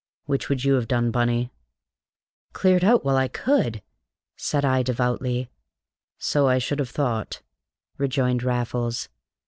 Which would you have done, Bunny?" "Cleared out, while I could!" said I devoutly. "So I should have thought," rejoined Raffles.